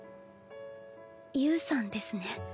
侑さんですね。